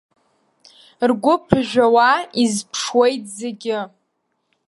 Ргәы ԥыжәжәауа изԥшуеит зегьы.